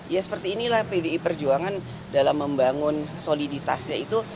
ya seperti inilah pdi perjuangan dalam membangun soliditasnya itu